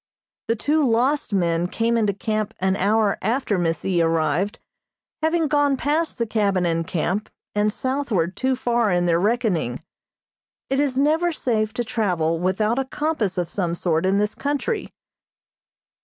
The two lost men came into camp an hour after Miss E. arrived, having gone past the cabin and camp, and southward too far in their reckoning. It is never safe to travel without a compass of some sort in this country.